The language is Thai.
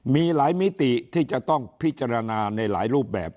มีหลายมิติที่จะต้องพิจารณาในหลายรูปแบบ